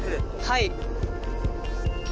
はい。